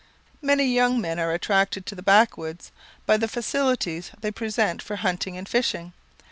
Many young men are attracted to the Backwoods by the facilities they present for hunting and fishing.